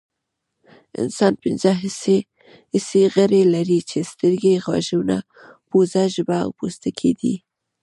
انسان پنځه حسي غړي لري چې سترګې غوږونه پوزه ژبه او پوستکی دي